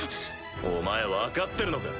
お前分かってるのか？